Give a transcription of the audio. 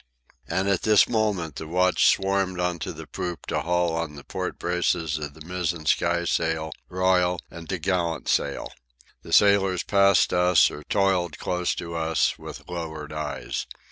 And at this moment the watch swarmed on to the poop to haul on the port braces of the mizzen sky sail, royal and topgallant sail. The sailors passed us, or toiled close to us, with lowered eyes.